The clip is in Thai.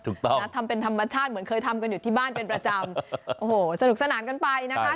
นะทำเป็นธรรมชาติเหมือนเคยทำกันอยู่ที่บ้านเป็นประจำโอ้โหสนุกสนานกันไปนะคะ